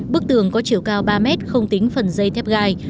bức tường có chiều cao ba mét không tính phần dây thép gai